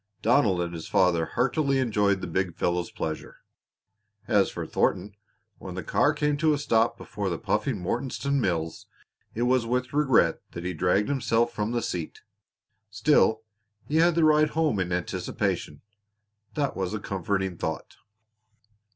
Donald and his father heartily enjoyed the big fellow's pleasure. As for Thornton, when the car came to a stop before the puffing Mortonstown mills it was with regret that he dragged himself from the seat. Still, he had the ride home in anticipation that was a comforting thought.